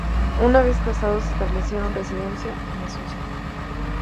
Una vez casados, establecieron residencia en Asunción.